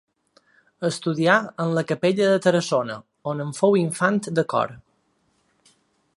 Estudià en la capella de Tarassona, on en fou infant de cor.